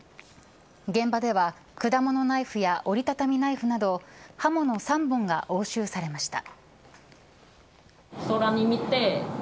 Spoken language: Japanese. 現場では果物ナイフや折り畳みナイフなど刃物３本が押収されました。